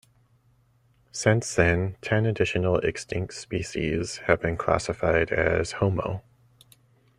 Since then, ten additional extinct species have been classified as "Homo".